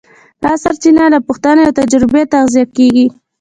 دا سرچینه له پوښتنې او تجربې تغذیه کېږي.